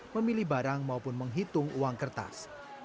memilih barang maupun menghitung uang kertas